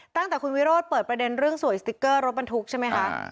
ตั้งแต่คุณวิโรศปะเด็นเรื่องสวยสติ๊กเกอร์รถบรรทุกนะครับ